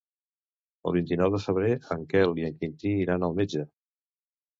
El vint-i-nou de febrer en Quel i en Quintí iran al metge.